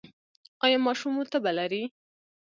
ایا ماشوم مو تبه لري؟